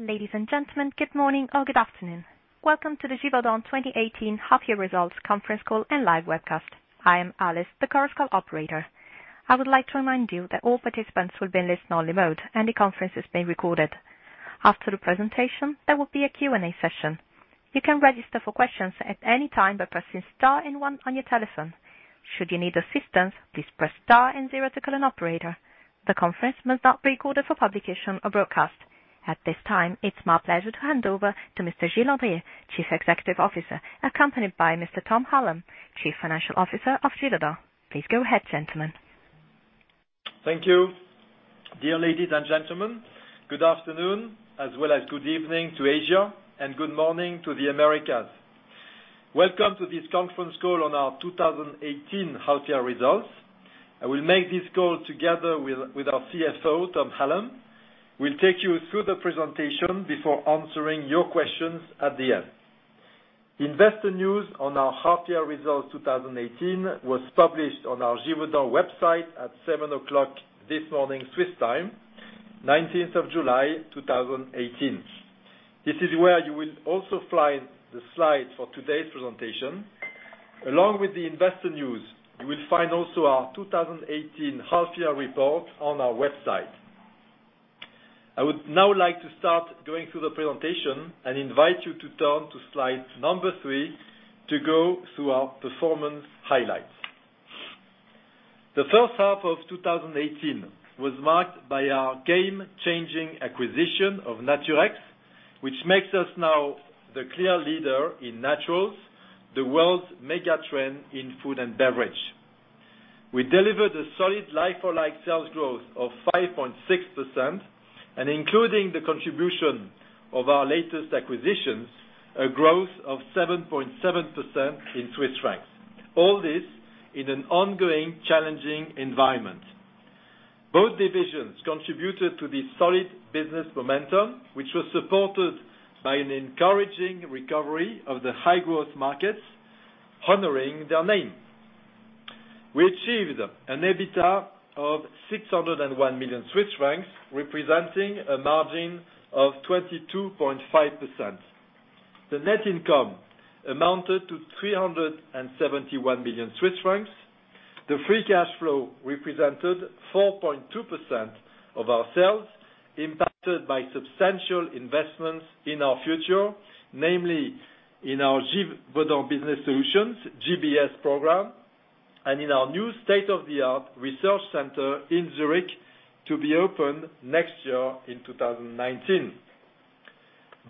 Ladies and gentlemen, good morning or good afternoon. Welcome to the Givaudan 2018 half-year results conference call and live webcast. I am Alice, the conference call operator. I would like to remind you that all participants will be in listen-only mode, and the conference is being recorded. After the presentation, there will be a Q&A session. You can register for questions at any time by pressing star and one on your telephone. Should you need assistance, please press star and zero to call an operator. The conference must not be recorded for publication or broadcast. At this time, it's my pleasure to hand over to Mr. Gilles Andrier, chief executive officer, accompanied by Mr. Tom Hallam, chief financial officer of Givaudan. Please go ahead, gentlemen. Thank you. Dear ladies and gentlemen, good afternoon, as well as good evening to Asia and good morning to the Americas. Welcome to this conference call on our 2018 half-year results. I will make this call together with our CFO, Tom Hallam. We'll take you through the presentation before answering your questions at the end. Investor news on our half-year results 2018 was published on our Givaudan website at seven o'clock this morning, Swiss time, 19th of July, 2018. This is where you will also find the slides for today's presentation. Along with the investor news, you will find also our 2018 half-year report on our website. I would now like to start going through the presentation and invite you to turn to slide number three to go through our performance highlights. The first half of 2018 was marked by our game-changing acquisition of Naturex, which makes us now the clear leader in naturals, the world's mega trend in food and beverage. We delivered a solid like-for-like sales growth of 5.6%, and including the contribution of our latest acquisitions, a growth of 7.7% in Swiss francs. All this in an ongoing challenging environment. Both divisions contributed to this solid business momentum, which was supported by an encouraging recovery of the high-growth markets honoring their name. We achieved an EBITDA of 601 million Swiss francs, representing a margin of 22.5%. The net income amounted to 371 million Swiss francs. The free cash flow represented 4.2% of our sales, impacted by substantial investments in our future, namely in our Givaudan Business Solutions, GBS program, and in our new state-of-the-art research center in Zurich to be opened next year in 2019.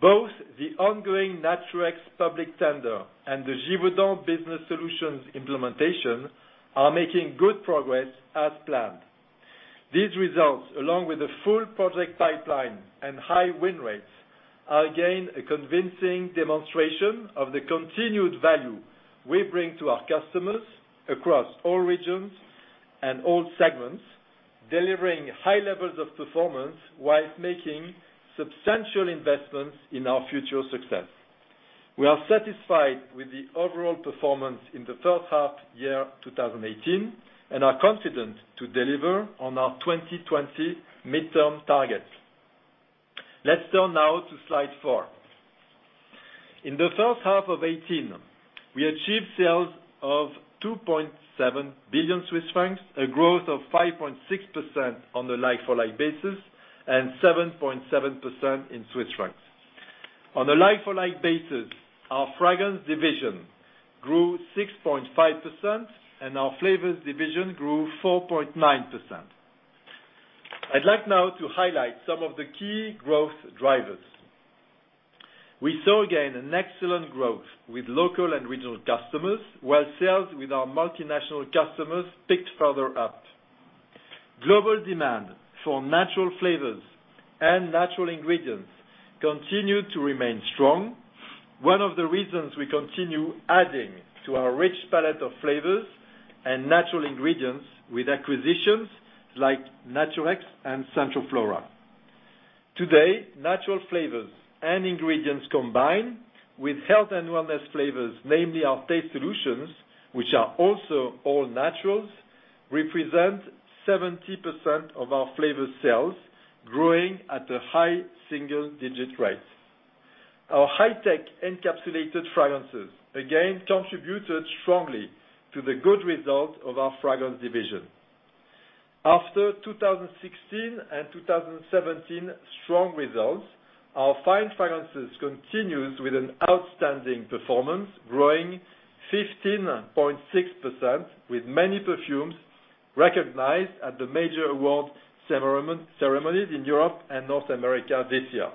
Both the ongoing Naturex public tender and the Givaudan Business Solutions implementation are making good progress as planned. These results, along with the full project pipeline and high win rates, are again a convincing demonstration of the continued value we bring to our customers across all regions and all segments, delivering high levels of performance while making substantial investments in our future success. We are satisfied with the overall performance in the first half year 2018 and are confident to deliver on our 2020 midterm targets. Let's turn now to slide four. In the first half of 2018, we achieved sales of 2.7 billion Swiss francs, a growth of 5.6% on the like-for-like basis and 7.7% in Swiss francs. On a like-for-like basis, our fragrance division grew 6.5% and our flavors division grew 4.9%. I'd like now to highlight some of the key growth drivers. We saw again an excellent growth with local and regional customers, while sales with our multinational customers picked further up. Global demand for natural flavors and natural ingredients continued to remain strong. One of the reasons we continue adding to our rich palette of flavors and natural ingredients with acquisitions like Naturex and Centroflora. Today, natural flavors and ingredients combined with health and wellness flavors, namely our Taste Solutions, which are also all-naturals, represent 70% of our flavor sales growing at a high single-digit rate. Our high-tech encapsulated fragrances again contributed strongly to the good result of our Fragrance Division. After 2016 and 2017 strong results, our Fine Fragrances continues with an outstanding performance, growing 15.6% with many perfumes recognized at the major award ceremonies in Europe and North America this year.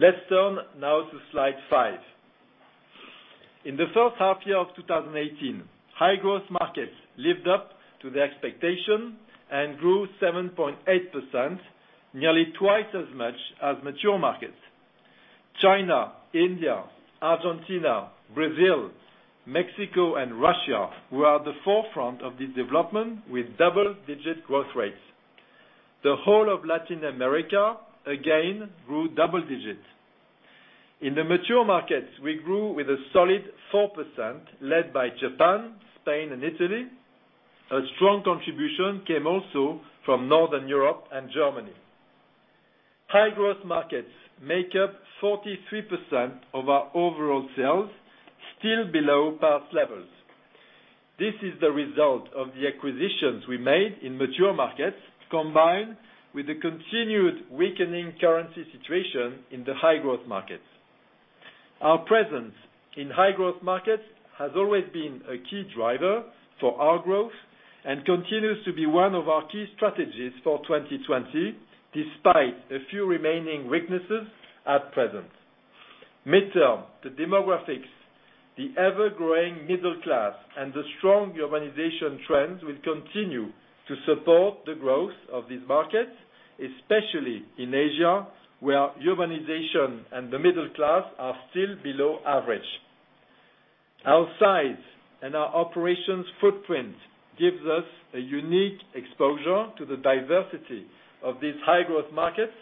Let's turn now to slide five. In the first half year of 2018, high-growth markets lived up to their expectation and grew 7.8%, nearly twice as much as mature markets. China, India, Argentina, Brazil, Mexico, and Russia were at the forefront of this development with double-digit growth rates. The whole of Latin America again grew double digits. In the mature markets, we grew with a solid 4%, led by Japan, Spain, and Italy. A strong contribution came also from Northern Europe and Germany. High-growth markets make up 43% of our overall sales, still below past levels. This is the result of the acquisitions we made in mature markets, combined with the continued weakening currency situation in the high-growth markets. Our presence in high-growth markets has always been a key driver for our growth and continues to be one of our key strategies for 2020, despite a few remaining weaknesses at present. Midterm, the demographics, the ever-growing middle class, and the strong urbanization trends will continue to support the growth of these markets, especially in Asia, where urbanization and the middle class are still below average. Our size and our operations footprint gives us a unique exposure to the diversity of these high-growth markets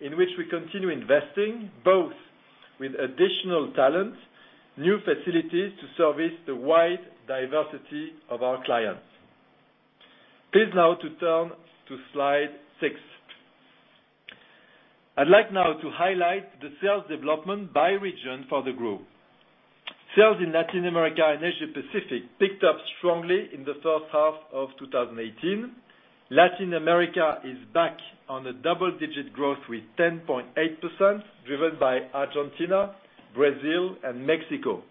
in which we continue investing, both with additional talent, new facilities to service the wide diversity of our clients. Please now turn to slide six. I'd like now to highlight the sales development by region for the group. Sales in Latin America and Asia Pacific picked up strongly in the first half of 2018. Latin America is back on a double-digit growth with 10.8%, driven by Argentina, Brazil, and Mexico.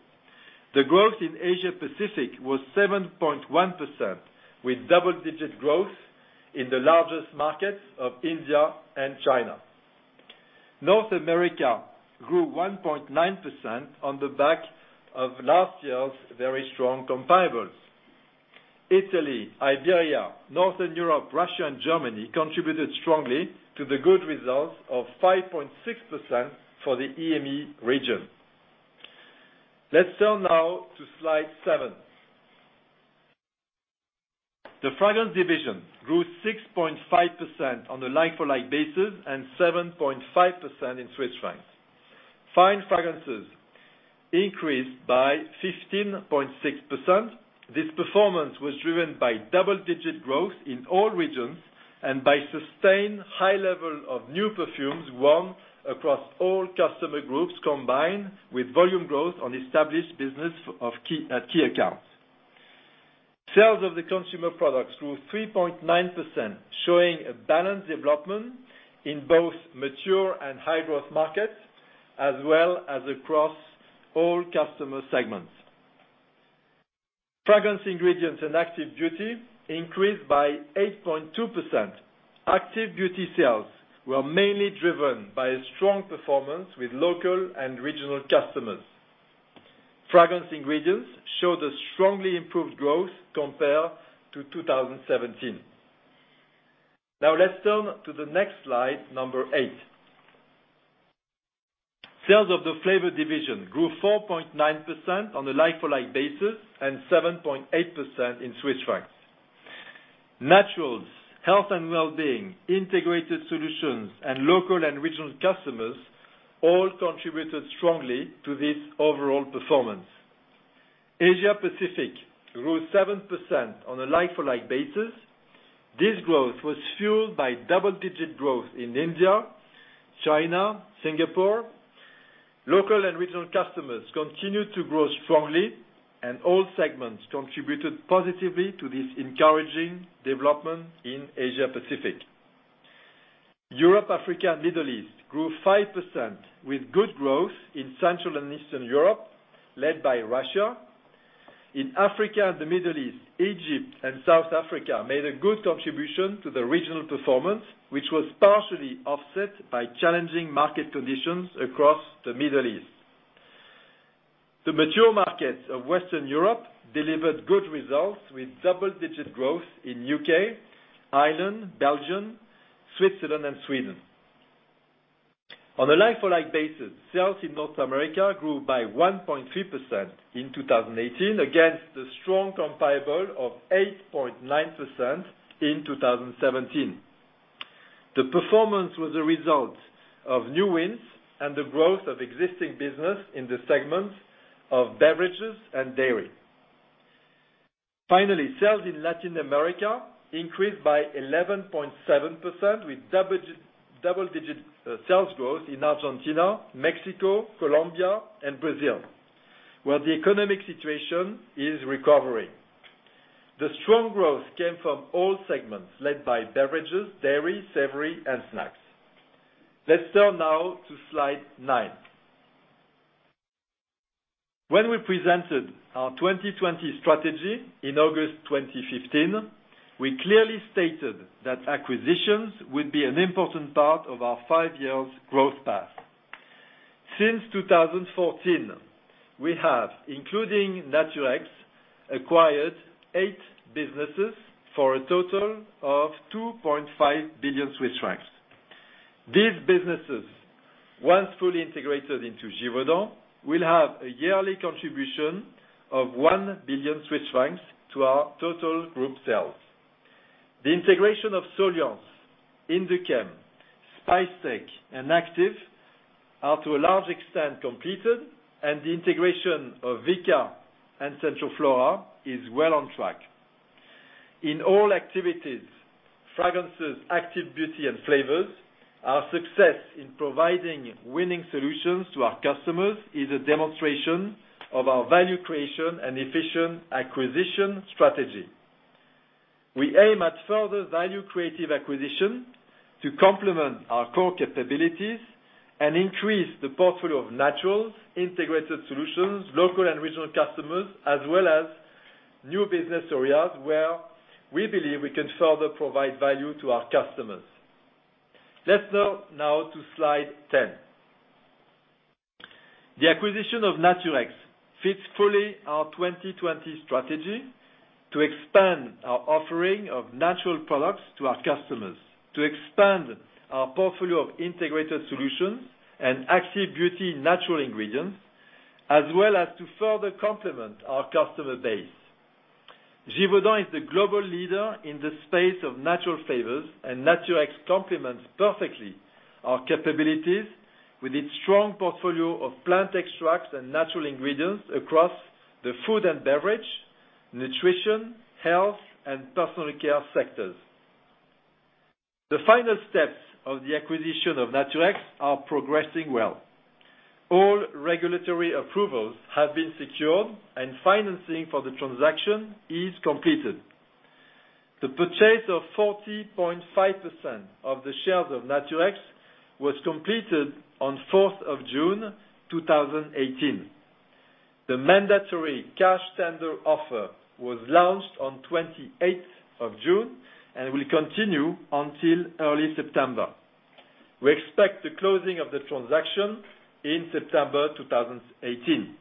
The growth in Asia Pacific was 7.1%, with double-digit growth in the largest markets of India and China. North America grew 1.9% on the back of last year's very strong comparables. Italy, Iberia, Northern Europe, Russia, and Germany contributed strongly to the good results of 5.6% for the EAME region. Let's turn now to slide seven. The Fragrance Division grew 6.5% on a like-for-like basis and 7.5% in CHF. Fine Fragrances increased by 15.6%. This performance was driven by double-digit growth in all regions and by sustained high level of new perfumes won across all customer groups, combined with volume growth on established business at key accounts. Sales of the Consumer Products grew 3.9%, showing a balanced development in both mature and high-growth markets, as well as across all customer segments. Fragrance Ingredients and Active Beauty increased by 8.2%. Active Beauty sales were mainly driven by a strong performance with local and regional customers. Fragrance Ingredients showed a strongly improved growth compared to 2017. Now let's turn to the next slide, number eight. Sales of the Flavors division grew 4.9% on a like-for-like basis and 7.8% in CHF. Naturals, health and wellbeing, integrated solutions, and local and regional customers all contributed strongly to this overall performance. Asia Pacific grew 7% on a like-for-like basis. This growth was fueled by double-digit growth in India, China, Singapore. Local and regional customers continued to grow strongly, and all segments contributed positively to this encouraging development in Asia Pacific. Europe, Africa, Middle East grew 5% with good growth in Central and Eastern Europe, led by Russia. In Africa and the Middle East, Egypt and South Africa made a good contribution to the regional performance, which was partially offset by challenging market conditions across the Middle East. The mature markets of Western Europe delivered good results with double-digit growth in U.K., Ireland, Belgium, Switzerland and Sweden. On a like-for-like basis, sales in North America grew by 1.3% in 2018 against the strong comparable of 8.9% in 2017. The performance was a result of new wins and the growth of existing business in the segments of beverages and dairy. Finally, sales in Latin America increased by 11.7%, with double-digit sales growth in Argentina, Mexico, Colombia and Brazil, where the economic situation is recovering. The strong growth came from all segments led by beverages, dairy, savory and snacks. Let's turn now to slide nine. When we presented our 2020 strategy in August 2015, we clearly stated that acquisitions would be an important part of our five-year growth path. Since 2014, we have, including Naturex, acquired eight businesses for a total of 2.5 billion Swiss francs. These businesses, once fully integrated into Givaudan, will have a yearly contribution of 1 billion Swiss francs to our total group sales. The integration of Soliance, Induchem, Spicetec, and Activ International are, to a large extent, completed, and the integration of Givaudan and Centroflora is well on track. In all activities, Fragrances, Active Beauty and Flavors, our success in providing winning solutions to our customers is a demonstration of our value creation and efficient acquisition strategy. We aim at further value-creative acquisition to complement our core capabilities and increase the portfolio of naturals, integrated solutions, local and regional customers, as well as new business areas where we believe we can further provide value to our customers. Let's turn now to slide 10. The acquisition of Naturex fits fully our 2020 strategy to expand our offering of natural products to our customers, to expand our portfolio of integrated solutions and Active Beauty natural ingredients, as well as to further complement our customer base. Givaudan is the global leader in the space of natural flavors, and Naturex complements perfectly our capabilities with its strong portfolio of plant extracts and natural ingredients across the food and beverage, nutrition, health, and personal care sectors. The final steps of the acquisition of Naturex are progressing well. All regulatory approvals have been secured, and financing for the transaction is completed. The purchase of 40.5% of the shares of Naturex was completed on 4th of June 2018. The mandatory cash tender offer was launched on 28th of June and will continue until early September. We expect the closing of the transaction in September 2018.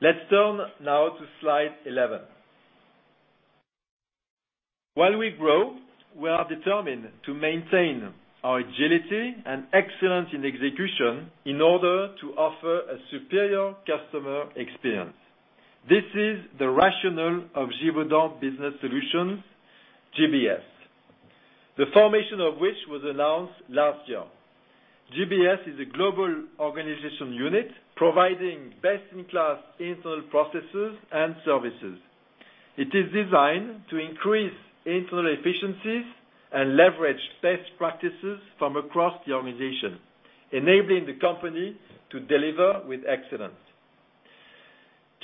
Let's turn now to slide 11. While we grow, we are determined to maintain our agility and excellence in execution in order to offer a superior customer experience. This is the rationale of Givaudan Business Solutions, GBS, the formation of which was announced last year. GBS is a global organizational unit providing best-in-class internal processes and services. It is designed to increase internal efficiencies and leverage best practices from across the organization, enabling the company to deliver with excellence.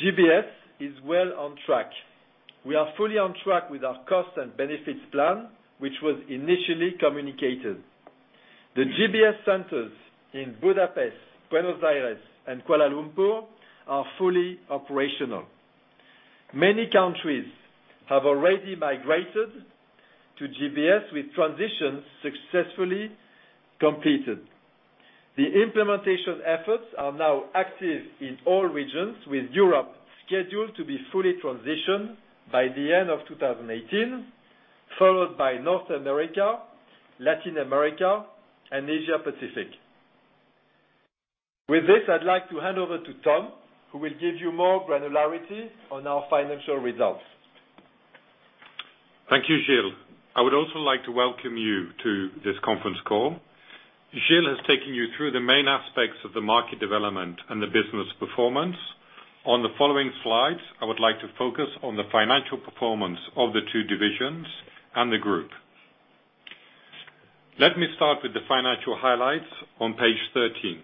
GBS is well on track. We are fully on track with our cost and benefits plan, which was initially communicated. The GBS centers in Budapest, Buenos Aires, and Kuala Lumpur are fully operational. Many countries have already migrated to GBS, with transitions successfully completed. The implementation efforts are now active in all regions, with Europe scheduled to be fully transitioned by the end of 2018, followed by North America, Latin America, and Asia-Pacific. With this, I'd like to hand over to Tom, who will give you more granularity on our financial results. Thank you, Gilles. I would also like to welcome you to this conference call. Gilles has taken you through the main aspects of the market development and the business performance. On the following slides, I would like to focus on the financial performance of the two divisions and the group. Let me start with the financial highlights on page 13.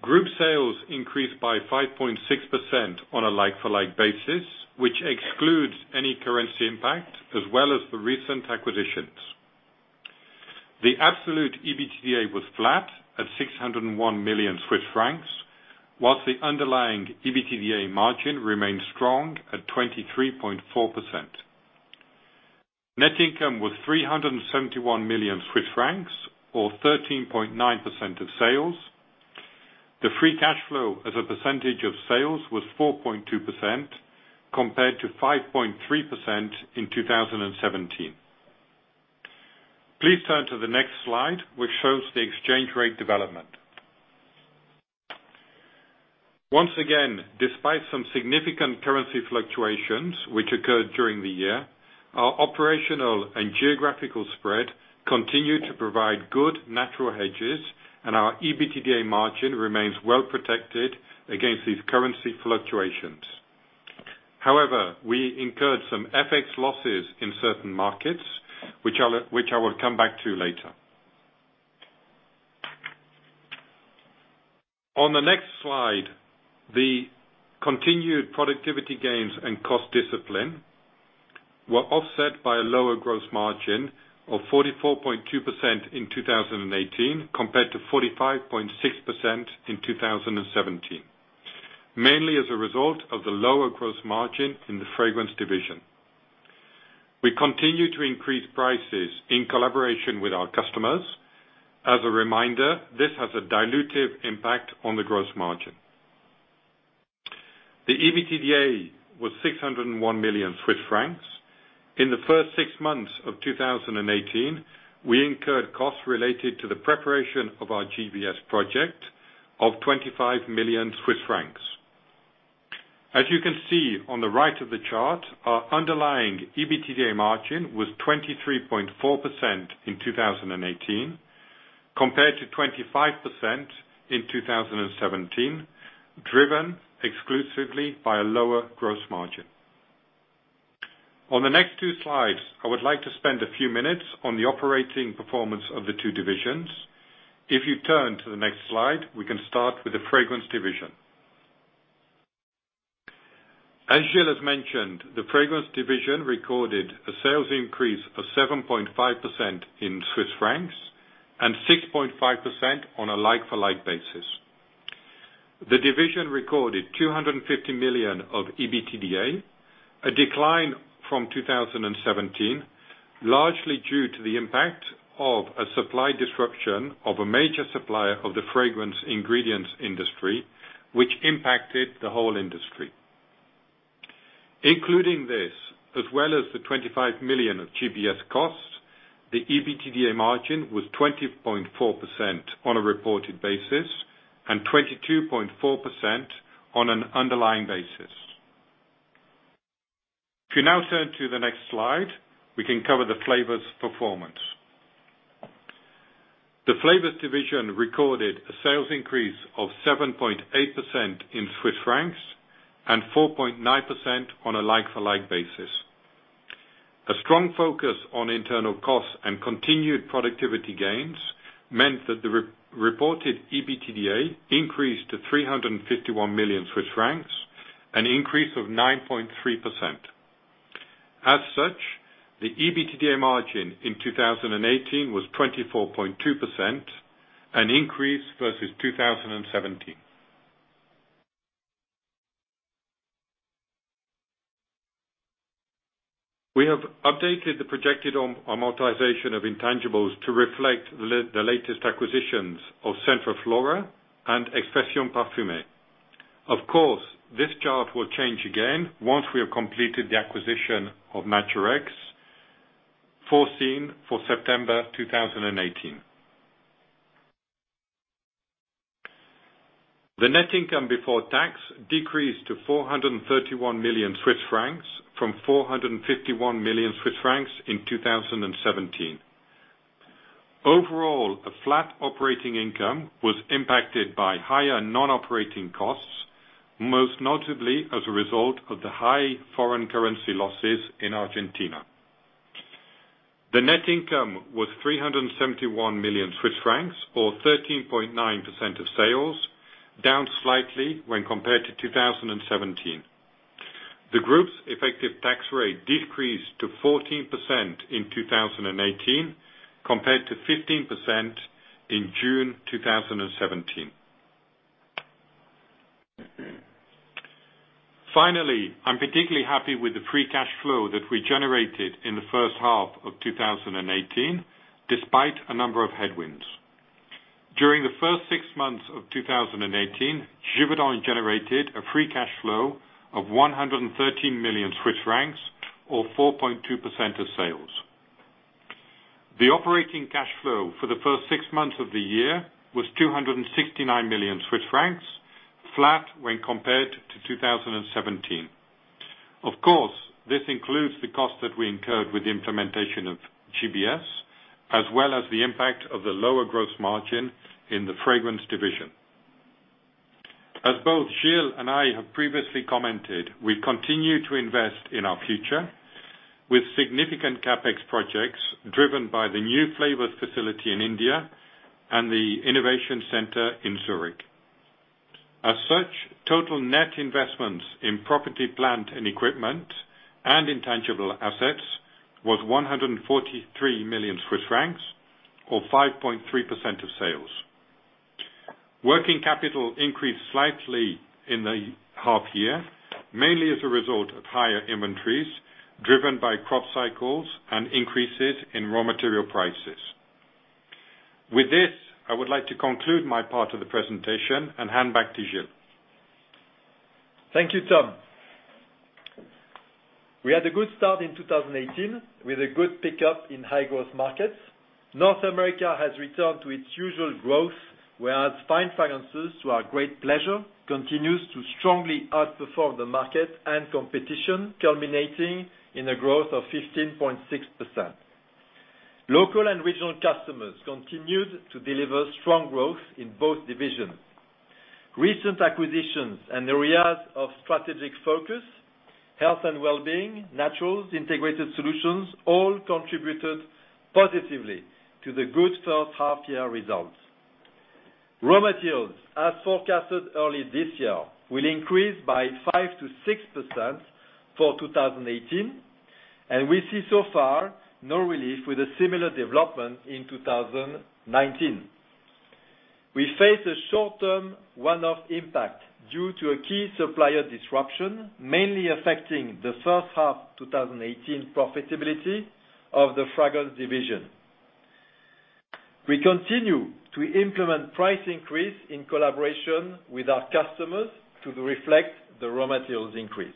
Group sales increased by 5.6% on a like-for-like basis, which excludes any currency impact as well as the recent acquisitions. The absolute EBITDA was flat at 601 million Swiss francs, whilst the underlying EBITDA margin remained strong at 23.4%. Net income was 371 million Swiss francs or 13.9% of sales. The free cash flow as a percentage of sales was 4.2% compared to 5.3% in 2017. Please turn to the next slide, which shows the exchange rate development. Despite some significant currency fluctuations which occurred during the year, our operational and geographical spread continued to provide good natural hedges, and our EBITDA margin remains well protected against these currency fluctuations. We incurred some FX losses in certain markets, which I will come back to later. On the next slide, the continued productivity gains and cost discipline were offset by a lower gross margin of 44.2% in 2018 compared to 45.6% in 2017, mainly as a result of the lower gross margin in the Fragrance Division. We continue to increase prices in collaboration with our customers. As a reminder, this has a dilutive impact on the gross margin. The EBITDA was 601 million Swiss francs. In the first six months of 2018, we incurred costs related to the preparation of our GBS project of 25 million Swiss francs. As you can see on the right of the chart, our underlying EBITDA margin was 23.4% in 2018, compared to 25% in 2017, driven exclusively by a lower gross margin. On the next two slides, I would like to spend a few minutes on the operating performance of the two divisions. If you turn to the next slide, we can start with the Fragrance Division. As Gilles has mentioned, the Fragrance Division recorded a sales increase of 7.5% in Swiss francs and 6.5% on a like-for-like basis. The division recorded 250 million of EBITDA, a decline from 2017, largely due to the impact of a supply disruption of a major supplier of the fragrance ingredients industry, which impacted the whole industry. Including this, as well as the 25 million of GBS cost, the EBITDA margin was 20.4% on a reported basis and 22.4% on an underlying basis. If you now turn to the next slide, we can cover the Flavors performance. The Flavors division recorded a sales increase of 7.8% in CHF and 4.9% on a like-for-like basis. A strong focus on internal costs and continued productivity gains meant that the reported EBITDA increased to 351 million Swiss francs, an increase of 9.3%. As such, the EBITDA margin in 2018 was 24.2%, an increase versus 2017. We have updated the projected amortization of intangibles to reflect the latest acquisitions of Centroflora and Expressions Parfumées. Of course, this chart will change again once we have completed the acquisition of Naturex, foreseen for September 2018. The net income before tax decreased to 431 million Swiss francs from 451 million Swiss francs in 2017. Overall, a flat operating income was impacted by higher non-operating costs, most notably as a result of the high foreign currency losses in Argentina. The net income was 371 million Swiss francs, or 13.9% of sales, down slightly when compared to 2017. The group's effective tax rate decreased to 14% in 2018 compared to 15% in June 2017. Finally, I'm particularly happy with the free cash flow that we generated in the first half of 2018, despite a number of headwinds. During the first six months of 2018, Givaudan generated a free cash flow of 113 million Swiss francs, or 4.2% of sales. The operating cash flow for the first six months of the year was 269 million Swiss francs, flat when compared to 2017. Of course, this includes the cost that we incurred with the implementation of GBS, as well as the impact of the lower growth margin in the Fragrance division. As both Gilles and I have previously commented, we continue to invest in our future with significant CapEx projects driven by the new flavors facility in India and the innovation center in Zurich. As such, total net investments in property, plant, and equipment and intangible assets was 143 million Swiss francs, or 5.3% of sales. Working capital increased slightly in the half year, mainly as a result of higher inventories driven by crop cycles and increases in raw material prices. With this, I would like to conclude my part of the presentation and hand back to Gilles. Thank you, Tom. We had a good start in 2018 with a good pickup in high-growth markets. North America has returned to its usual growth, whereas Fine Fragrances, to our great pleasure, continues to strongly outperform the market and competition, culminating in a growth of 15.6%. Local and regional customers continued to deliver strong growth in both divisions. Recent acquisitions and areas of strategic focus, health and wellbeing, naturals, integrated solutions, all contributed positively to the good first half year results. Raw materials, as forecasted early this year, will increase by 5%-6% for 2018, and we see so far no relief with a similar development in 2019. We face a short-term one-off impact due to a key supplier disruption, mainly affecting the first half 2018 profitability of the Fragrance division. We continue to implement price increase in collaboration with our customers to reflect the raw materials increase.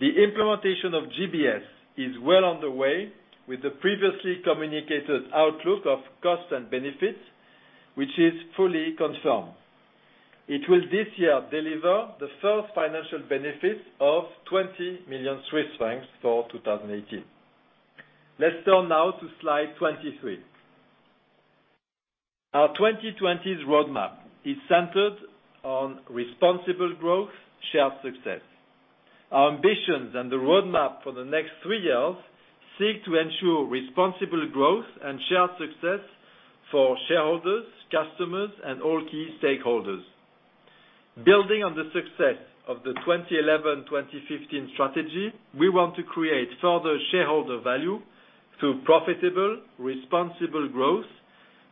The implementation of GBS is well on the way with the previously communicated outlook of cost and benefits, which is fully confirmed. It will this year deliver the first financial benefits of 20 million Swiss francs for 2018. Let's turn now to slide 23. Our 2020 roadmap is centered on responsible growth, shared success. Our ambitions and the roadmap for the next three years seek to ensure responsible growth and shared success for shareholders, customers, and all key stakeholders. Building on the success of the 2011-2015 strategy, we want to create further shareholder value through profitable, responsible growth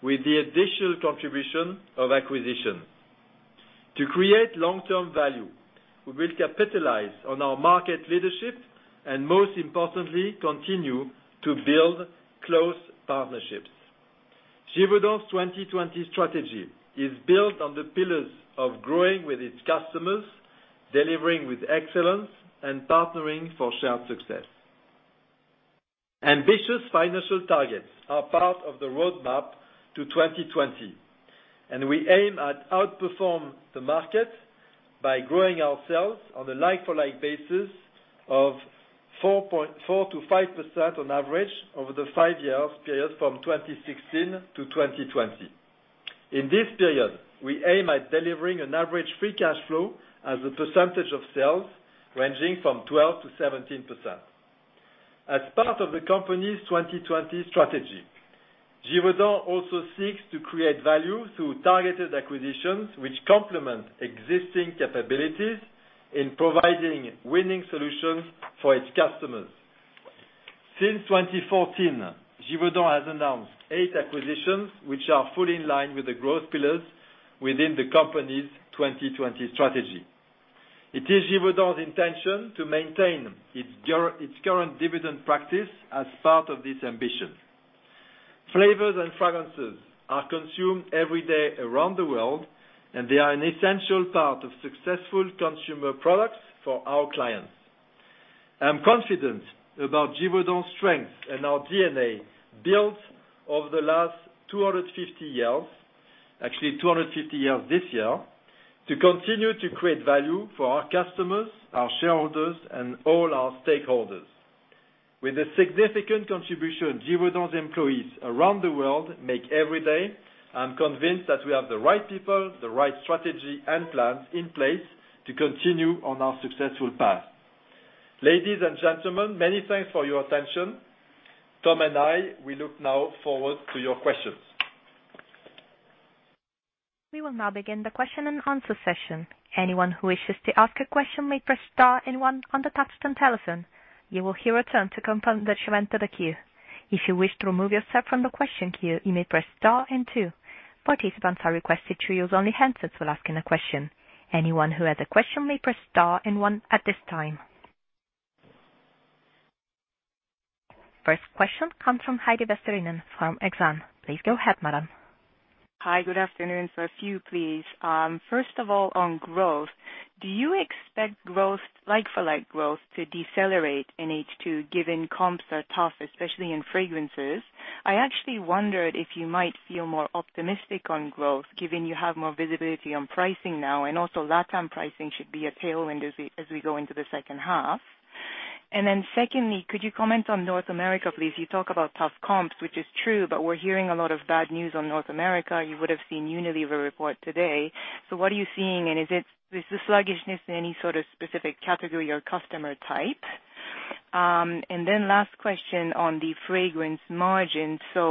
with the additional contribution of acquisition. To create long-term value, we will capitalize on our market leadership, and most importantly, continue to build close partnerships. Givaudan's 2020 strategy is built on the pillars of growing with its customers, delivering with excellence, and partnering for shared success. Ambitious financial targets are part of the roadmap to 2020. We aim at outperform the market by growing ourselves on a like-for-like basis of 4% to 5% on average over the five-year period from 2016 to 2020. In this period, we aim at delivering an average free cash flow as a percentage of sales ranging from 12% to 17%. As part of the company's 2020 strategy, Givaudan also seeks to create value through targeted acquisitions which complement existing capabilities in providing winning solutions for its customers. Since 2014, Givaudan has announced eight acquisitions, which are fully in line with the growth pillars within the company's 2020 strategy. It is Givaudan's intention to maintain its current dividend practice as part of this ambition. They are an essential part of successful consumer products for our clients. I'm confident about Givaudan's strength and our DNA built over the last 250 years, actually 250 years this year, to continue to create value for our customers, our shareholders, and all our stakeholders. With the significant contribution Givaudan's employees around the world make every day, I'm convinced that we have the right people, the right strategy, and plans in place to continue on our successful path. Ladies and gentlemen, many thanks for your attention. Tom and I, we look now forward to your questions. We will now begin the question and answer session. Anyone who wishes to ask a question may press star and one on the touchtone telephone. You will hear a tone to confirm that you entered the queue. If you wish to remove yourself from the question queue, you may press star and two. Participants are requested to use only handsets when asking a question. Anyone who has a question may press star and one at this time. First question comes from Heidi Vesterinen from Exane. Please go ahead, madam. Hi. Good afternoon. A few, please. First of all, on growth, do you expect like-for-like growth to decelerate in H2 given comps are tough, especially in fragrances? I actually wondered if you might feel more optimistic on growth given you have more visibility on pricing now, and also LatAm pricing should be a tailwind as we go into the second half. Secondly, could you comment on North America, please? You talk about tough comps, which is true. We're hearing a lot of bad news on North America. You would've seen Unilever report today. What are you seeing, and is the sluggishness in any sort of specific category or customer type? Last question on the fragrance margin. When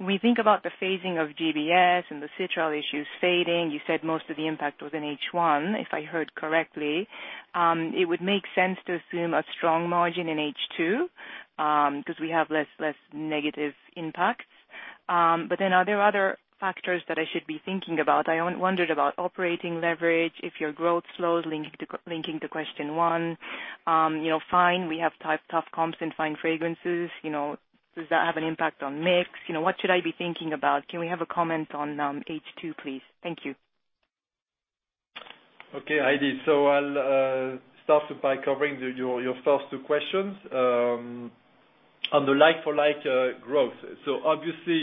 we think about the phasing of GBS and the citral issues fading, you said most of the impact was in H1, if I heard correctly. It would make sense to assume a strong margin in H2, because we have less negative impacts. Are there other factors that I should be thinking about? I wondered about operating leverage if your growth slows linking to question one. Fine, we have tough comps in Fine Fragrances. Does that have an impact on mix? What should I be thinking about? Can we have a comment on H2, please? Thank you. Okay, Heidi. I'll start by covering your first two questions. On the like-for-like growth. Obviously,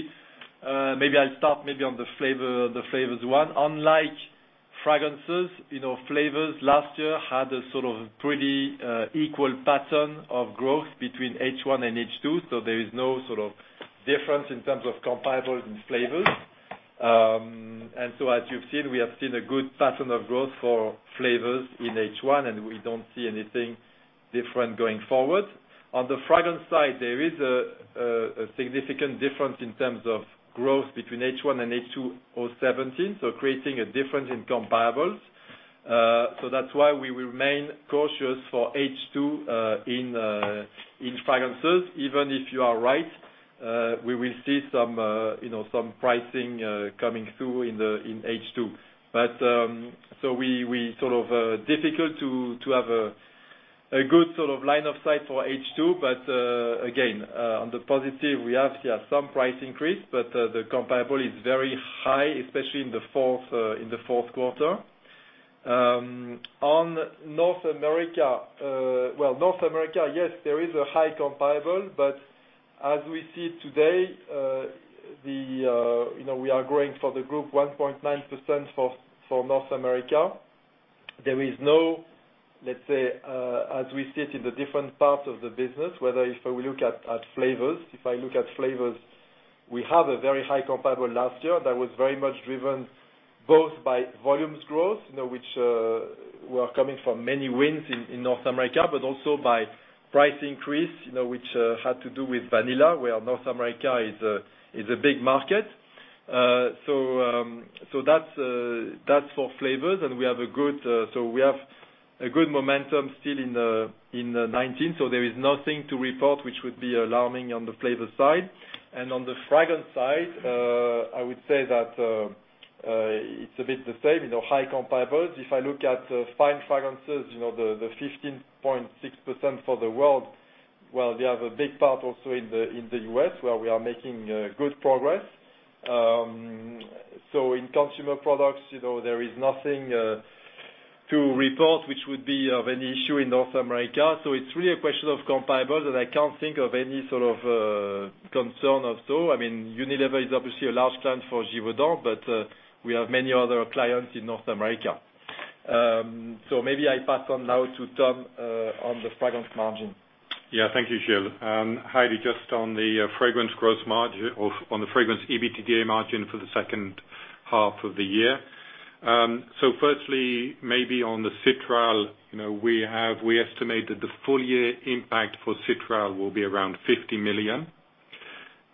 maybe I'll start maybe on the flavors one. Unlike fragrances, flavors last year had a sort of pretty equal pattern of growth between H1 and H2. There is no sort of difference in terms of comparables in flavors. As you've seen, we have seen a good pattern of growth for flavors in H1, and we don't see anything different going forward. On the fragrance side, there is a significant difference in terms of growth between H1 and H2 2017, creating a difference in comparables. That's why we remain cautious for H2 in fragrances. Even if you are right, we will see some pricing coming through in H2. We sort of difficult to have a good sort of line of sight for H2. Again, on the positive we have here some price increase. The comparable is very high, especially in the fourth quarter. On North America. North America, yes, there is a high comparable. As we see it today, we are growing for the group 1.9% for North America. There is no, as we see it in the different parts of the business, whether if I look at flavors. If I look at flavors, we have a very high comparable last year that was very much driven both by volumes growth, which were coming from many wins in North America, by price increase, which had to do with vanilla, where North America is a big market. That's for flavors, we have a good momentum still in 2019, there is nothing to report which would be alarming on the flavor side. On the fragrance side, I would say that it's a bit the same, high comparables. If I look at Fine Fragrances, the 15.6% for the world, well, they have a big part also in the U.S. where we are making good progress. In Consumer Products, there is nothing to report which would be of any issue in North America. It's really a question of comparables, and I can't think of any sort of concern of so. Unilever is obviously a large client for Givaudan, but we have many other clients in North America. Maybe I pass on now to Tom on the fragrance margin. Thank you, Gilles. Heidi, just on the fragrance EBITDA margin for the second half of the year. Firstly, maybe on the citral, we estimated the full year impact for citral will be around $50 million,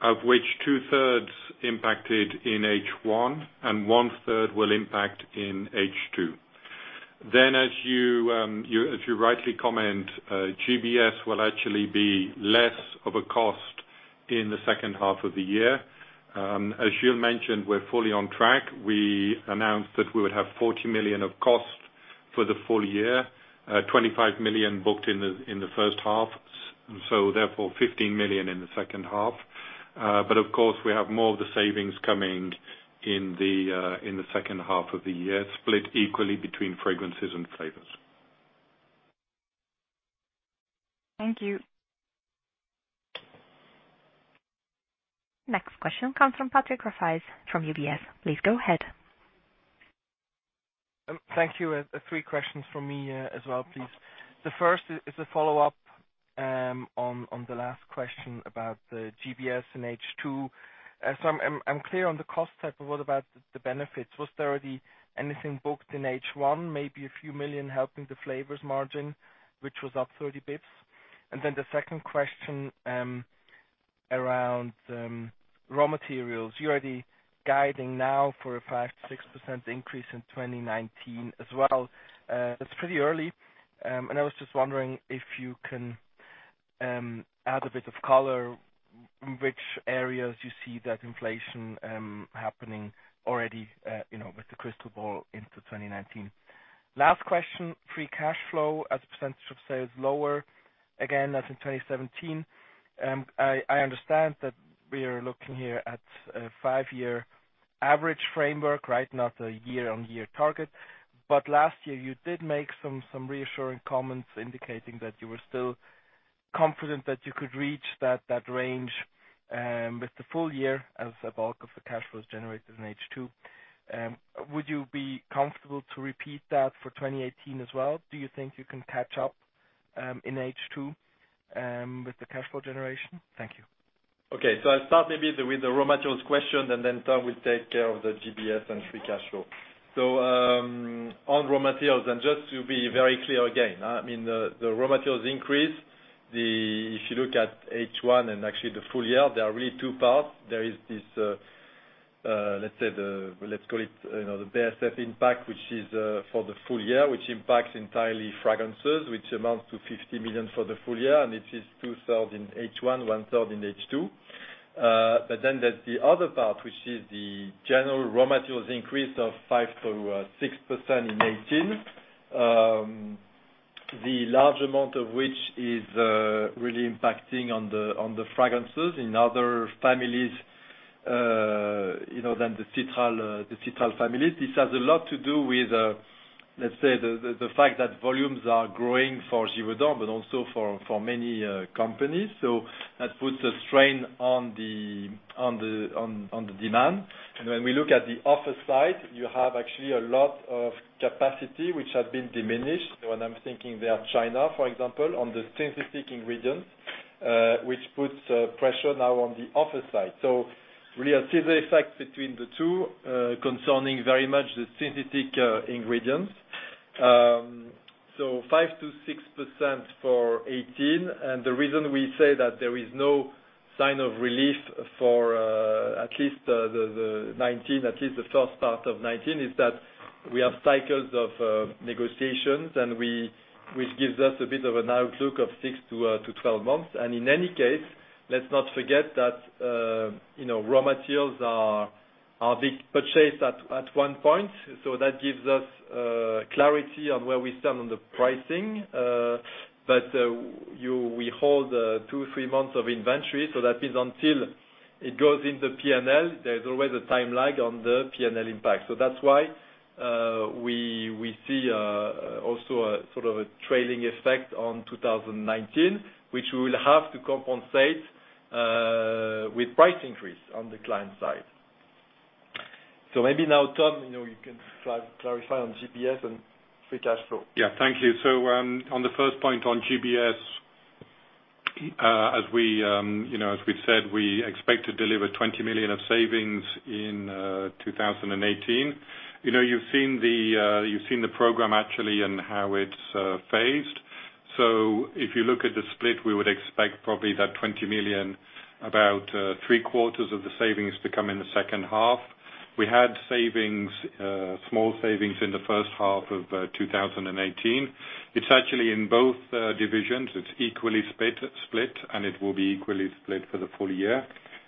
of which two-thirds impacted in H1 and one-third will impact in H2. As you rightly comment, GBS will actually be less of a cost in the second half of the year. As Gilles mentioned, we're fully on track. We announced that we would have $40 million of costs for the full year, $25 million booked in the first half, therefore $15 million in the second half. Of course, we have more of the savings coming in the second half of the year, split equally between fragrances and flavors. Thank you. Next question comes from Patrick Rafaisz from UBS. Please go ahead. Thank you. Three questions from me as well, please. The first is a follow-up on the last question about the GBS in H2. I'm clear on the cost side, but what about the benefits? Was there already anything booked in H1, maybe a few million CHF helping the flavors margin, which was up 30 basis points? The second question around raw materials. You're already guiding now for a 5%-6% increase in 2019 as well. That's pretty early. I was just wondering if you can add a bit of color in which areas you see that inflation happening already, with the crystal ball into 2019. Last question, free cash flow as a percentage of sales lower again, as in 2017. I understand that we are looking here at a five-year average framework, right, not a year-on-year target. Last year, you did make some reassuring comments indicating that you were still confident that you could reach that range with the full year as a bulk of the cash flows generated in H2. Would you be comfortable to repeat that for 2018 as well? Do you think you can catch up in H2 with the cash flow generation? Thank you. I'll start maybe with the raw materials question, and then Tom will take care of the GBS and free cash flow. On raw materials, just to be very clear again, the raw materials increase, if you look at H1 and actually the full year, there are really two parts. There is this, let's call it, the BASF impact, which is for the full year, which impacts entirely fragrances, which amounts to $50 million for the full year, and it is two-thirds in H1, one-third in H2. There's the other part, which is the general raw materials increase of 5%-6% in 2018. The large amount of which is really impacting on the fragrances in other families than the citral families. This has a lot to do with, let's say, the fact that volumes are growing for Givaudan but also for many companies. That puts a strain on the demand. When we look at the offer side, you have actually a lot of capacity which has been diminished. When I'm thinking there China, for example, on the synthetic ingredients, which puts pressure now on the offer side. Really a scissor effect between the two concerning very much the synthetic ingredients. 5%-6% for 2018. The reason we say that there is no sign of relief for at least 2019, at least the first part of 2019, is that we have cycles of negotiations, which gives us a bit of an outlook of 6-12 months. In any case, let's not forget that raw materials are being purchased at one point. That gives us clarity on where we stand on the pricing. We hold two, three months of inventory, that means until it goes in the P&L. There is always a time lag on the P&L impact. That is why we see also a sort of a trailing effect on 2019, which we will have to compensate with price increase on the client side. Maybe now, Tom, you can clarify on GBS and free cash flow. Yeah, thank you. On the first point on GBS, as we have said, we expect to deliver 20 million of savings in 2018. You have seen the program actually and how it is phased. If you look at the split, we would expect probably that 20 million, about three quarters of the savings to come in the second half. We had small savings in the first half of 2018. It is actually in both divisions. It is equally split, and it will be equally split for the full year.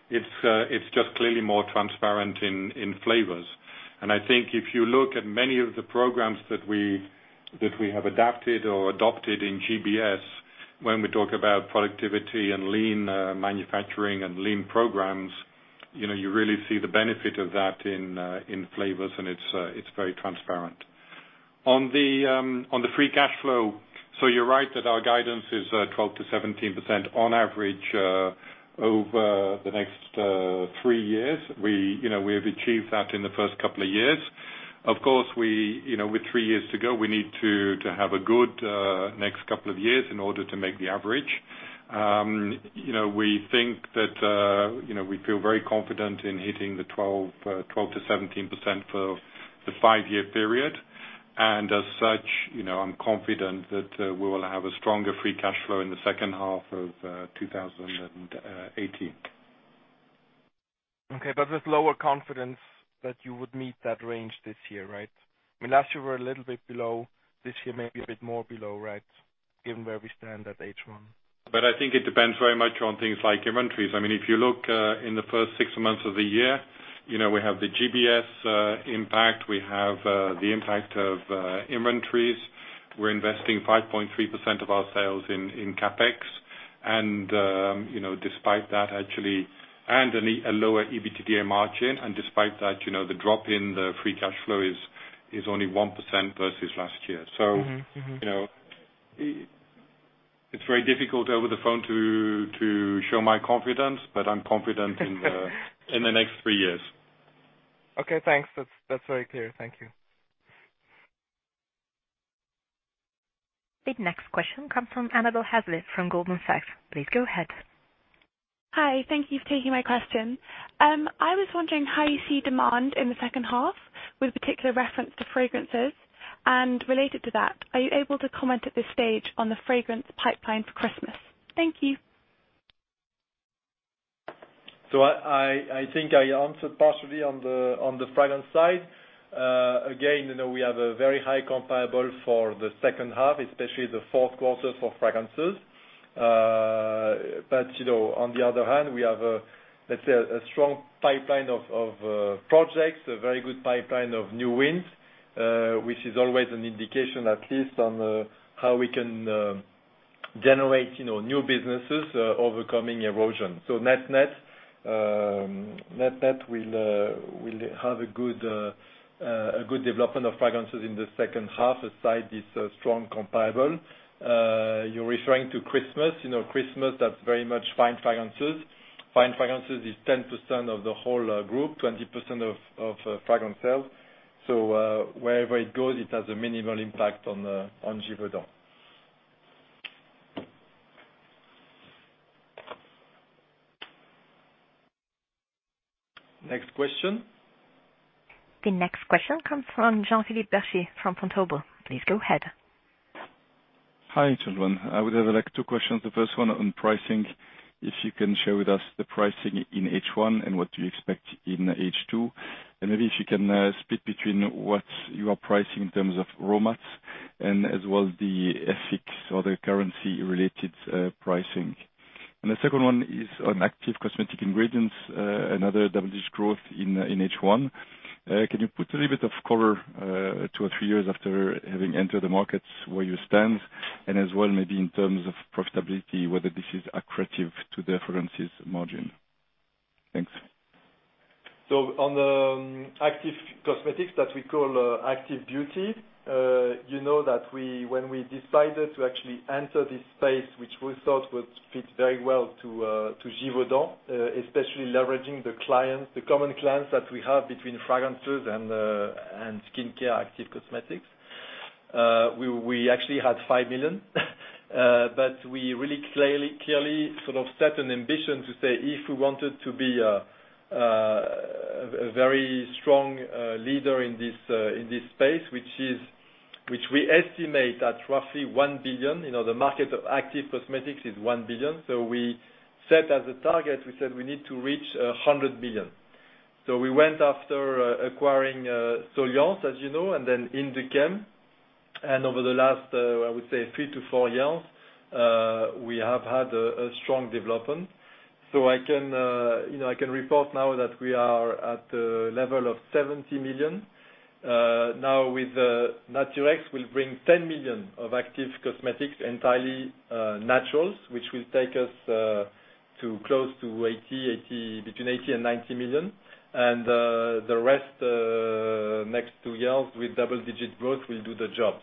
It is just clearly more transparent in flavors. I think if you look at many of the programs that we have adapted or adopted in GBS, when we talk about productivity and lean manufacturing and lean programs, you really see the benefit of that in flavors, and it is very transparent. On the free cash flow. You are right that our guidance is 12%-17% on average, over the next three years. We have achieved that in the first couple of years. Of course, with three years to go, we need to have a good next couple of years in order to make the average. We feel very confident in hitting the 12%-17% for the five-year period. As such, I am confident that we will have a stronger free cash flow in the second half of 2018. Okay. There is lower confidence that you would meet that range this year, right? I mean, last year we are a little bit below. This year may be a bit more below, right? Given where we stand at H1. I think it depends very much on things like inventories. If you look in the first six months of the year, we have the GBS impact. We have the impact of inventories. We're investing 5.3% of our sales in CapEx. Despite that, actually, and a lower EBITDA margin, the drop in the free cash flow is only 1% versus last year. It's very difficult over the phone to show my confidence, but I'm confident in the next three years. Okay, thanks. That's very clear. Thank you. The next question comes from Annabel Hazlitt from Goldman Sachs. Please go ahead. Hi. Thank you for taking my question. I was wondering how you see demand in the second half with particular reference to fragrances. Related to that, are you able to comment at this stage on the fragrance pipeline for Christmas? Thank you. I think I answered partially on the fragrance side. Again, we have a very high comparable for the second half, especially the fourth quarter for fragrances. On the other hand, we have, let's say, a strong pipeline of projects, a very good pipeline of new wins, which is always an indication at least on how we can generate new businesses overcoming erosion. Net-net, we'll have a good development of fragrances in the second half aside this strong comparable. You're referring to Christmas. Christmas, that's very much Fine Fragrances. Fine Fragrances is 10% of the whole group, 20% of fragrance sales. Wherever it goes, it has a minimal impact on Givaudan. Next question. The next question comes from Jean-Philippe Bertschy from Vontobel. Please go ahead. Hi, everyone. I would have two questions. The first one on pricing. If you can share with us the pricing in H1 and what you expect in H2, maybe if you can split between what you are pricing in terms of raw mats and as well the FX or the currency-related pricing. The second one is on Active Beauty, another double-digit growth in H1. Can you put a little bit of color, two or three years after having entered the markets where you stand, and as well maybe in terms of profitability, whether this is accretive to the fragrances margin? Thanks. On the active cosmetics that we call Active Beauty, when we decided to actually enter this space, which we thought would fit very well to Givaudan, especially leveraging the common clients that we have between fragrances and skincare active cosmetics. We actually had 5 million, but we really clearly set an ambition to say if we wanted to be a very strong leader in this space, which we estimate at roughly 1 billion. The market of active cosmetics is 1 billion. We set as a target, we said we need to reach 100 million. We went after acquiring as you know, and then Induchem. Over the last 3 to 4 years, we have had a strong development. I can report now that we are at the level of 70 million. With Naturex, we'll bring 10 million of active cosmetics, entirely naturals, which will take us close to between 80 million and 90 million. The rest, next 2 years with double-digit growth will do the job.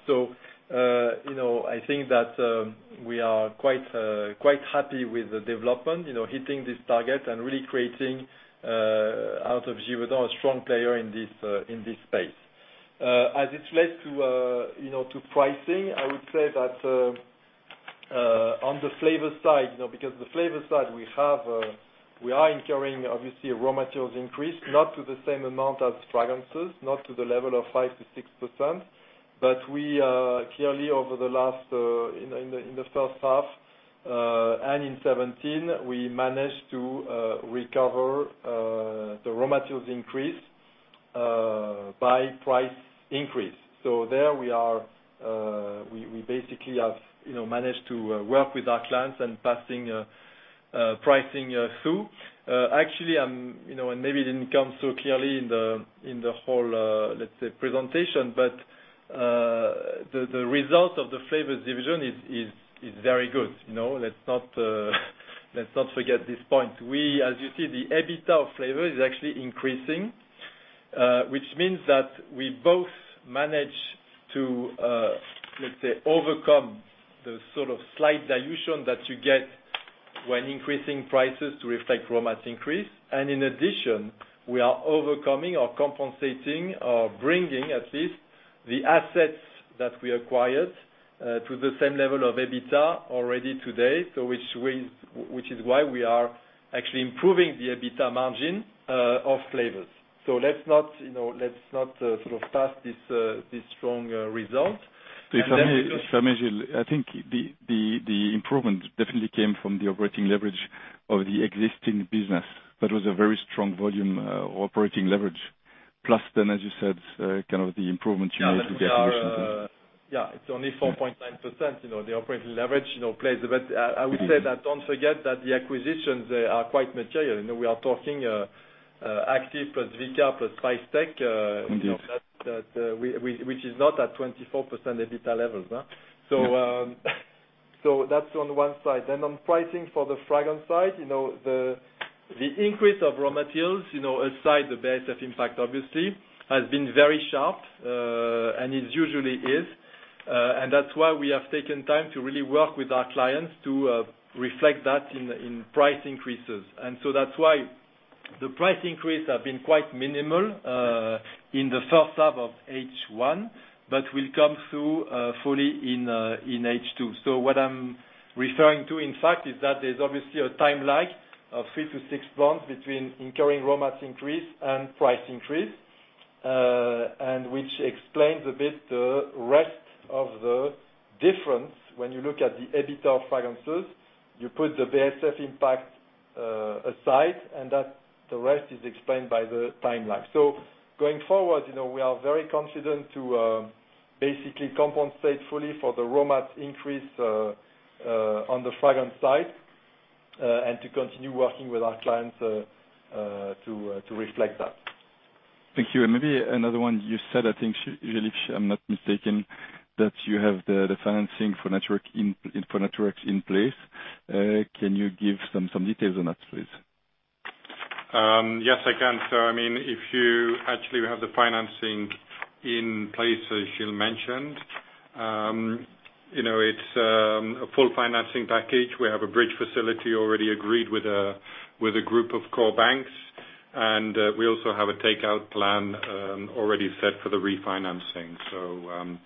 We are quite happy with the development, hitting this target and really creating out of Givaudan, a strong player in this space. As it relates to pricing, on the flavor side, because the flavor side, we are incurring raw materials increase, not to the same amount as fragrances, not to the level of 5%-6%. We clearly, in the first half and in 2017, we managed to recover the raw materials increase by price increase. There we have managed to work with our clients and passing pricing through. Maybe it didn't come so clearly in the whole presentation, the result of the Flavors division is very good. Let's not forget this point. As you see, the EBITDA of Flavors is actually increasing, which means that we both manage to overcome the slight dilution that you get when increasing prices to reflect raw materials increase. In addition, we are overcoming or compensating or bringing at least the assets that we acquired to the same level of EBITDA already today. We are actually improving the EBITDA margin of Flavors. Let's not pass this strong result. Gilles, the improvement definitely came from the operating leverage of the existing business, was a very strong volume operating leverage. As you said, the improvement you made with the acquisition. Yeah. It's only 4.9%, the operating leverage plays. I would say that don't forget that the acquisitions are quite material. We are talking Activ plus Vika plus Spicetec. Indeed which is not at 24% EBITDA levels. That's on one side. On pricing for the fragrance side, the increase of raw materials, aside the BASF impact obviously, has been very sharp, and it usually is. That's why we have taken time to really work with our clients to reflect that in price increases. That's why the price increase have been quite minimal. Yes in the first half of H1, but will come through fully in H2. What I'm referring to, in fact, is that there's obviously a time lag of three to six months between incurring raw materials increase and price increase, and which explains a bit the rest of the difference when you look at the EBITDA fragrances. You put the BASF impact aside, and the rest is explained by the time lag. Going forward, we are very confident to basically compensate fully for the raw materials increase on the fragrance side, and to continue working with our clients to reflect that. Thank you. Maybe another one you said, I think, Jean-Yves, if I'm not mistaken, that you have the financing for Naturex in place. Can you give some details on that, please? Yes, I can. Actually, we have the financing in place, as Gilles mentioned. It's a full financing package. We have a bridge facility already agreed with a group of core banks, and we also have a takeout plan already set for the refinancing.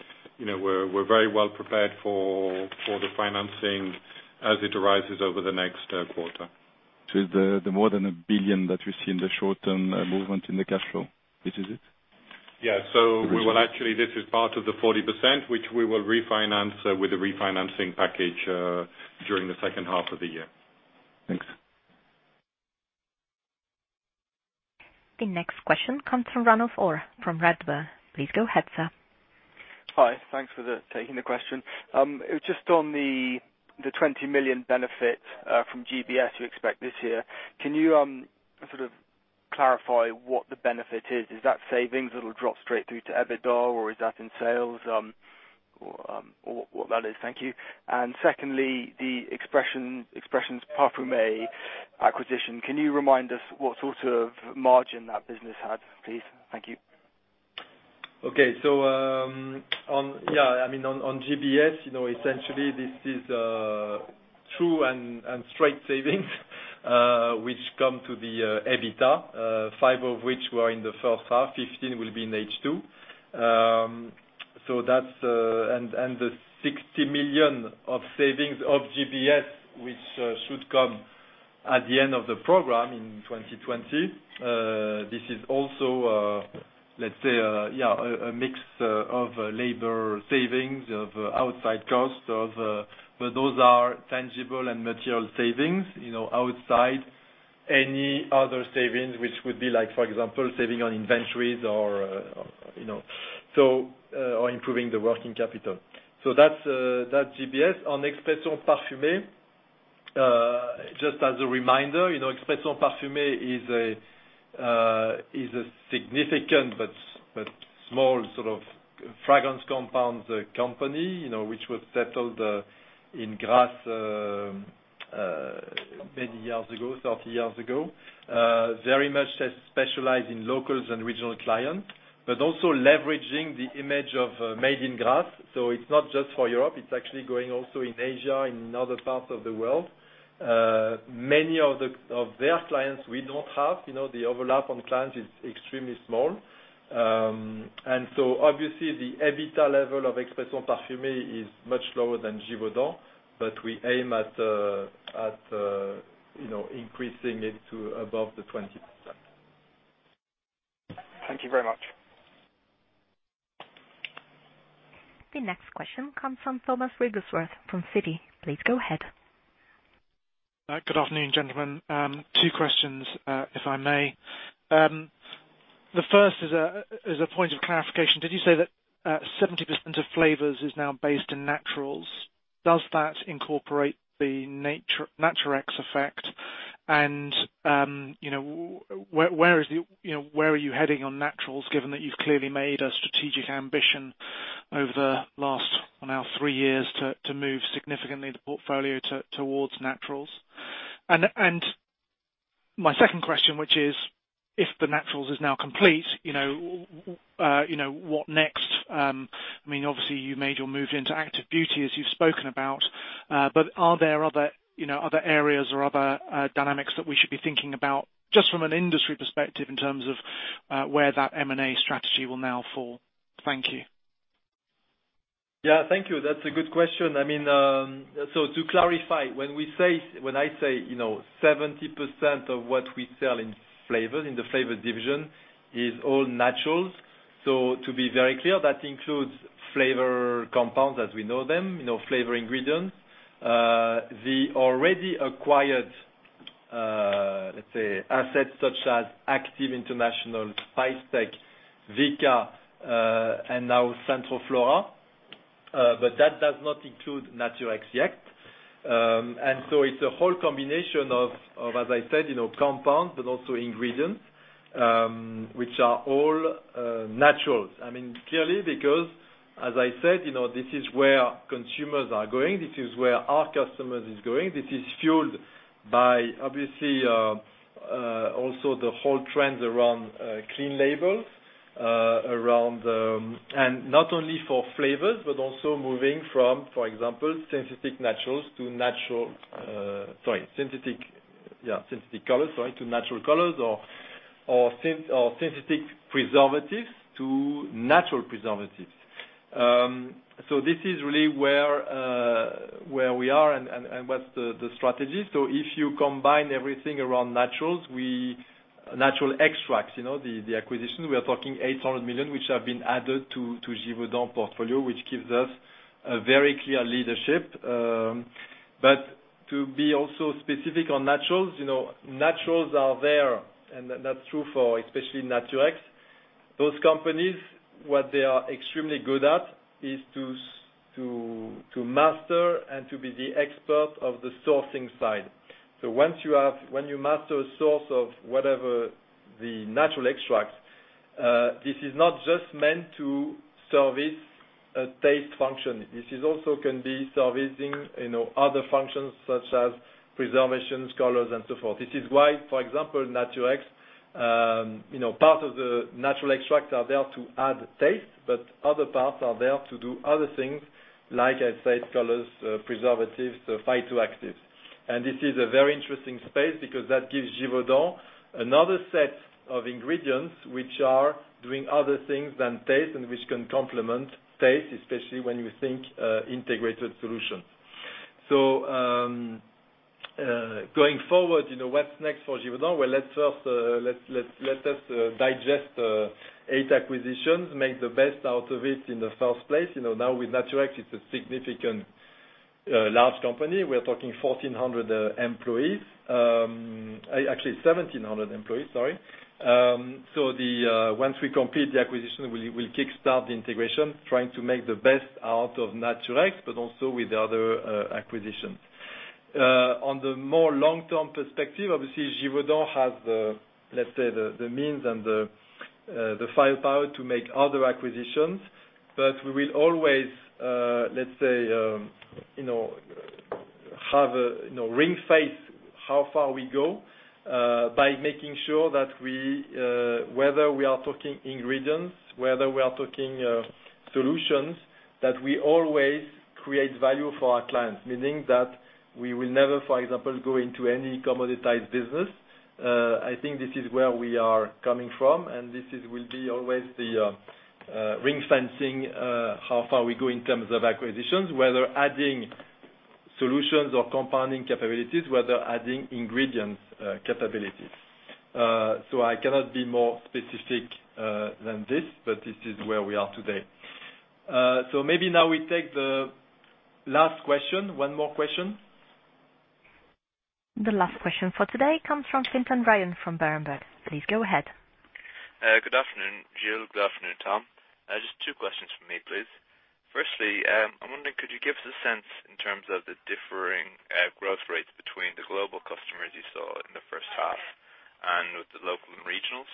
We're very well prepared for the financing as it arises over the next quarter. It's the more than 1 billion that we see in the short-term movement in the cash flow. This is it? Actually, this is part of the 40%, which we will refinance with the refinancing package during the second-half of the year. Thanks. The next question comes from Ranulf Orr from Redburn. Please go ahead, sir. Hi. Thanks for taking the question. Just on the 20 million benefit from GBS you expect this year. Can you sort of clarify what the benefit is? Is that savings that will drop straight through to EBITDA, or is that in sales? What that is. Thank you. Secondly, the Expressions Parfumées acquisition, can you remind us what sort of margin that business had, please? Thank you. On GBS, essentially this is true and straight savings, which come to the EBITDA, five of which were in the first half, 15 will be in H2. The 60 million of savings of GBS, which should come at the end of the program in 2020, this is also, let's say, a mix of labor savings, of outside costs, but those are tangible and material savings outside any other savings, which would be like, for example, saving on inventories or improving the working capital. That's GBS. On Expressions Parfumées, just as a reminder, Expressions Parfumées is a significant but small fragrance compounds company, which was settled in Grasse many years ago, 30 years ago. Very much specialized in locals and regional clients, but also leveraging the image of Made in Grasse. It's not just for Europe, it's actually growing also in Asia and other parts of the world. Many of their clients we don't have. The overlap on clients is extremely small. Obviously the EBITDA level of Expressions Parfumées is much lower than Givaudan, but we aim at increasing it to above the 20%. Thank you very much. The next question comes from Thomas Wigglesworth from Citi. Please go ahead. Good afternoon, gentlemen. Two questions, if I may. The first is a point of clarification. Did you say that 70% of flavors is now based in naturals? Does that incorporate the Naturex effect? Where are you heading on naturals, given that you've clearly made a strategic ambition over the last, now three years to move significantly the portfolio towards naturals? My second question, which is, if the naturals is now complete, what next? Obviously, you made your move into Active Beauty, as you've spoken about, but are there other areas or other dynamics that we should be thinking about, just from an industry perspective in terms of where that M&A strategy will now fall? Thank you. Yeah, thank you. That's a good question. To clarify, when I say 70% of what we sell in the flavor division is all naturals. To be very clear, that includes flavor compounds as we know them, flavor ingredients. The already acquired, let's say, assets such as Activ International, Spicetec, Vika, and now Centroflora. That does not include Naturex yet. It's a whole combination of, as I said, compounds, but also ingredients, which are all naturals. Clearly because, as I said, this is where consumers are going, this is where our customers is going. This is fueled by, obviously, also the whole trends around clean labels. Not only for flavors, but also moving from, for example, synthetic colors to natural colors or synthetic preservatives to natural preservatives. This is really where we are and what's the strategy. If you combine everything around naturals, natural extracts, the acquisition, we are talking 800 million, which have been added to Givaudan portfolio, which gives us a very clear leadership. To be also specific on naturals. Naturals are there, and that's true for, especially Naturex. Those companies, what they are extremely good at is to master and to be the expert of the sourcing side. When you master a source of whatever the natural extracts, this is not just meant to service a taste function. This is also can be servicing other functions such as preservations, colors, and so forth. This is why, for example, Naturex, part of the natural extracts are there to add taste, but other parts are there to do other things, like I said, colors, preservatives, phyto actives. This is a very interesting space because that gives Givaudan another set of ingredients which are doing other things than taste and which can complement taste, especially when you think integrated solutions. Going forward, what's next for Givaudan? Well, let us digest 8 acquisitions, make the best out of it in the first place. Now with Naturex, it's a significant large company. We're talking 1,400 employees. Actually, 1,700 employees, sorry. Once we complete the acquisition, we'll kick start the integration, trying to make the best out of Naturex, but also with the other acquisitions. On the more long-term perspective, obviously, Givaudan has the means and the firepower to make other acquisitions, but we will always ring-fence how far we go by making sure that whether we are talking ingredients, whether we are talking solutions, that we always create value for our clients, meaning that we will never, for example, go into any commoditized business. I think this is where we are coming from, and this will be always the ring-fencing how far we go in terms of acquisitions, whether adding solutions or compounding capabilities, whether adding ingredients capabilities. I cannot be more specific than this, but this is where we are today. Maybe now we take the last question. One more question. The last question for today comes from Fintan Ryan from Berenberg. Please go ahead. Good afternoon, Gilles. Good afternoon, Tom. Just two questions from me, please. Firstly, I'm wondering, could you give us a sense in terms of the differing growth rates between the global customers you saw in the first half and with the local and regionals?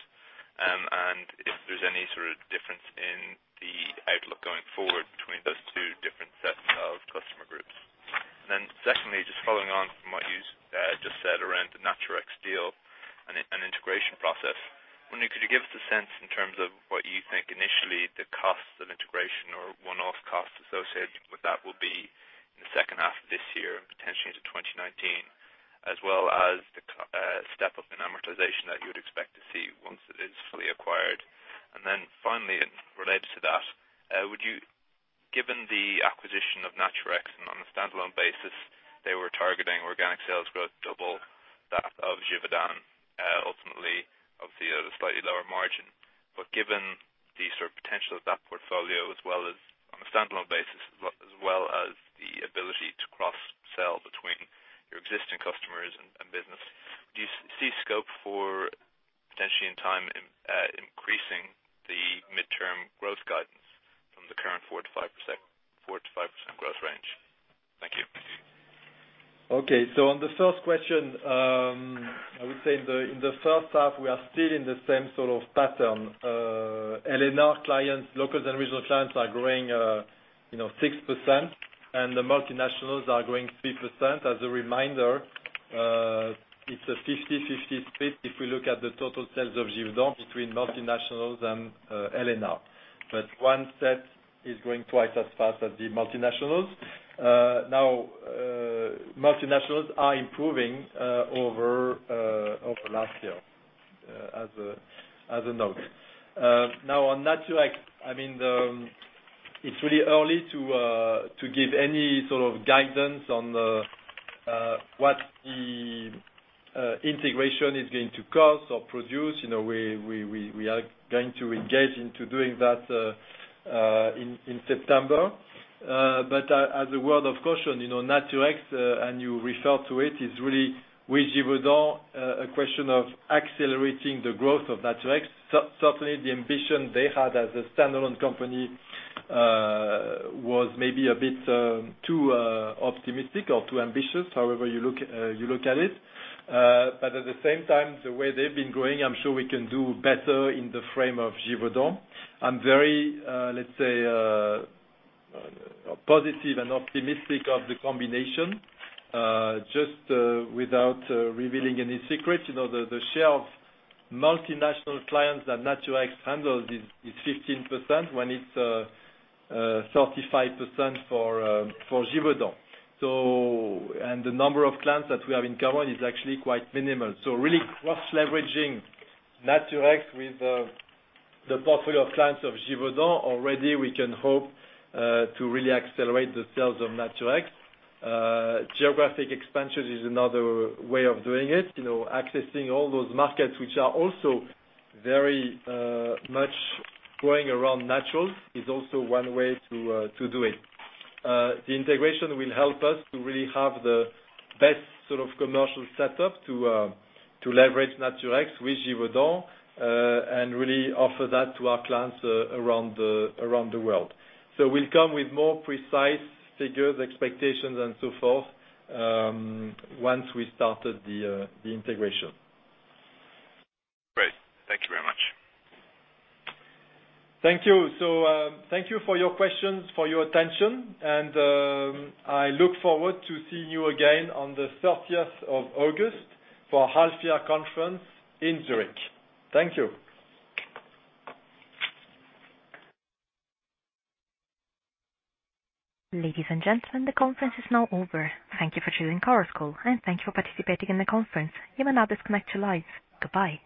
If there's any sort of difference in the outlook going forward between those two different sets of customer groups. Secondly, just following on from what you just said around the Naturex deal and integration process. I wonder, could you give us a sense in terms of what you think initially the costs of integration or one-off costs associated with that will be in the second half of this year, potentially into 2019, as well as the step-up in amortization that you would expect to see once it is fully acquired? Finally, related to that, given the acquisition of Naturex and on a standalone basis, they were targeting organic sales growth double that of Givaudan, ultimately obviously at a slightly lower margin. Given the potential of that portfolio on a standalone basis, as well as the ability to cross-sell between your existing customers and business, do you see scope for potentially in time increasing the midterm growth guidance from the current 4%-5% growth range? Thank you. On the first question, I would say in the first half, we are still in the same sort of pattern. LNR clients, local and regional clients are growing 6%, and the multinationals are growing 3%. As a reminder, it's a 50/50 split if we look at the total sales of Givaudan between multinationals and LNR. One set is growing twice as fast as the multinationals. Multinationals are improving over last year, as a note. On Naturex, it's really early to give any sort of guidance on what the integration is going to cost or produce. We are going to engage into doing that in September. As a word of caution, Naturex, and you referred to it, is really with Givaudan, a question of accelerating the growth of Naturex. Certainly, the ambition they had as a standalone company was maybe a bit too optimistic or too ambitious, however you look at it. At the same time, the way they've been growing, I'm sure we can do better in the frame of Givaudan. I'm very, let's say, positive and optimistic of the combination. Just without revealing any secrets, the share of multinational clients that Naturex handles is 15%, when it's 35% for Givaudan. The number of clients that we have in common is actually quite minimal. Really cross-leveraging Naturex with the portfolio of clients of Givaudan, already we can hope to really accelerate the sales of Naturex. Geographic expansion is another way of doing it. Accessing all those markets, which are also very much growing around naturals is also one way to do it. The integration will help us to really have the best sort of commercial setup to leverage Naturex with Givaudan, and really offer that to our clients around the world. We'll come with more precise figures, expectations, and so forth once we started the integration. Great. Thank you very much. Thank you for your questions, for your attention, and I look forward to seeing you again on the 30th of August for half year conference in Zurich. Thank you. Ladies and gentlemen, the conference is now over. Thank you for choosing Chorus Call, and thank you for participating in the conference. You may now disconnect your lines. Goodbye.